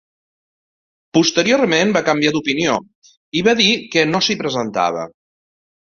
Posteriorment va canviar d'opinió, i va dir que no s'hi presentava.